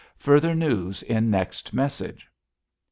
Further news in next message."